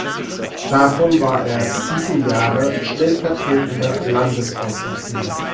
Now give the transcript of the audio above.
Davon war er sieben Jahre stellvertretender Landesvorsitzender.